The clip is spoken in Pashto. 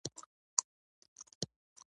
ایا زه به نور نه ژاړم؟